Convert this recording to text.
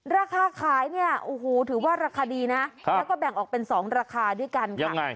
ราคาขายเนี่ยโอ้โหถือว่าราคาดีนะแล้วก็แบ่งออกเป็น๒ราคาด้วยกันค่ะ